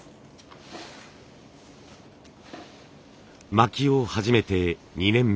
巻きを始めて２年目。